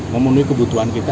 memenuhi kebutuhan kita